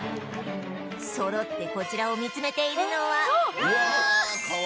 そろってこちらを見つめているのは